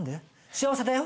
幸せだよ。